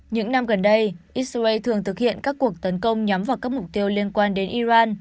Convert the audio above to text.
những năm gần đây israel thường thực hiện các cuộc tấn công nhắm vào các mục tiêu liên quan đến iran